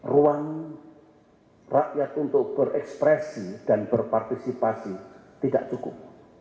ruang rakyat untuk berekspresi dan berpartisipasi tidak cukup